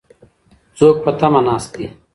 څوک په تمه ناست دي؟